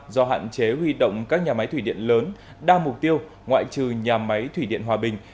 do hạn chế huy động các nhà máy thủy điện lớn đa mục tiêu ngoại trừ nhà máy thủy điện hòa bình